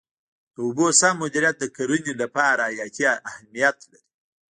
د اوبو سم مدیریت د کرنې لپاره حیاتي اهمیت لري.